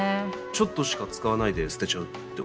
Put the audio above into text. ちょっとしか使わないで捨てちゃうってこと？